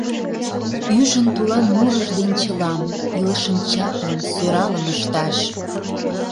Ӱжын тулан мурыж дене чылам, Илышым чаплым, сӧралым ышташ.